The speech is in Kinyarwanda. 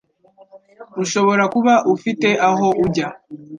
Ushobora kuba ufite aho ujya